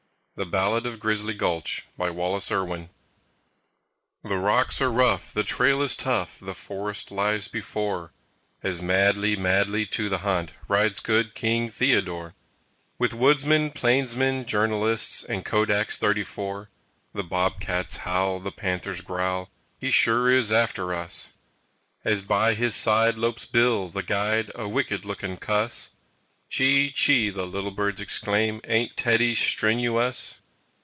THE BALLAD OF GRIZZLY GULCH BY WALLACE IRWIN The rocks are rough, the trail is tough, The forest lies before, As madly, madly to the hunt Rides good King Theodore With woodsmen, plainsmen, journalists And kodaks thirty four. The bob cats howl, the panthers growl, "He sure is after us!" As by his side lopes Bill, the Guide, A wicked looking cuss "Chee chee!" the little birds exclaim, "Ain't Teddy stren oo uss!"